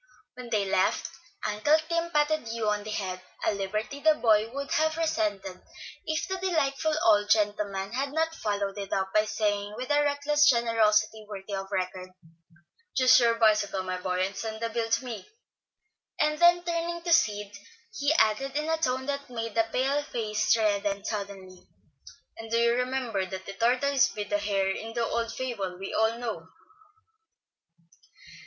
When they left, Uncle Tim patted Hugh on the head, a liberty the boy would have resented if the delightful old gentleman had not followed it up by saying, with a reckless generosity worthy of record, "Choose your bicycle, my boy, and send the bill to me." Then turning to Sid he added, in a tone that made the pale face redden suddenly, "And do you remember that the tortoise beat the hare in the old fable we all know."